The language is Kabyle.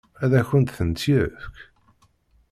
Ad akent-tent-yefk?